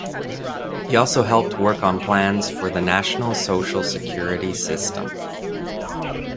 He also helped work on plans for the national social security system.